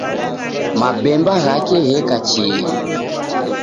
Mabemba ghake gheka chienyi